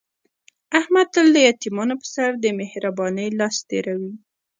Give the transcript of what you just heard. احمد تل د یتیمانو په سر د مهر بانۍ لاس تېروي.